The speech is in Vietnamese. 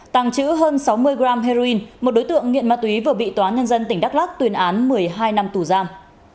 đằng chữ hơn sáu mươi gram heroin một đối tượng nghiện ma túy vừa bị toán nhân dân tỉnh đắk lắc tuyên án một mươi hai năm tù giam